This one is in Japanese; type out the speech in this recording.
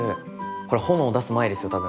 これ炎出す前ですよ多分。